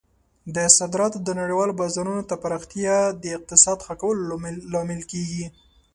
د صادراتو د نړیوالو بازارونو ته پراختیا د اقتصاد ښه کولو لامل کیږي.